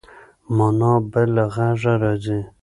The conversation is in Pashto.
مانا به له غږه راځي.